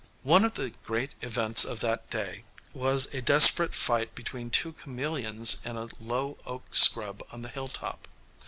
One of the great events of that day was a desperate fight between two chameleons in a low oak scrub on the hilltop.